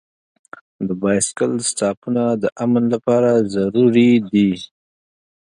د بایسکل سټاپونه د امن لپاره ضروري دي.